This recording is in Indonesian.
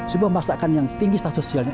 sebuah masakan yang tinggi status sosialnya